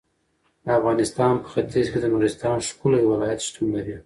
د افغانستان په ختیځ کې د نورستان ښکلی ولایت شتون لري.